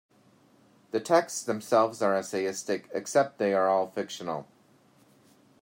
The texts themselves are essayistic, except that they are all fictional.